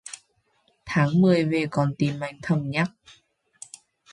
Tháng mười về con tim anh thầm nhắc